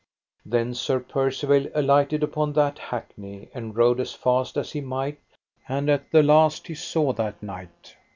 Then Sir Percivale alighted upon that hackney, and rode as fast as he might, and at the last he saw that knight.